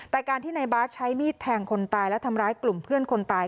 แต่การที่ในบาสใช้มีดแทงคนตายและทำร้ายกลุ่มเพื่อนคนตาย